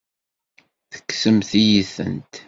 Tekksemt-iyi-tent.